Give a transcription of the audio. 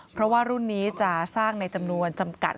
เพราะว่ารุ่นนี้จะสร้างในจำนวนจำกัด